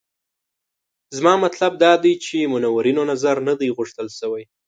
زما مطلب دا دی چې منورینو نظر نه دی غوښتل شوی.